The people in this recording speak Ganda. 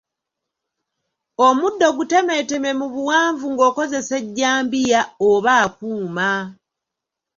Omuddo gutemeeteme mu buwanvu ng’okozesa ejjambiya oba akuuma.